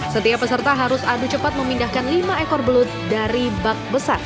setiap peserta harus adu cepat memindahkan lima ekor belut dari bak besar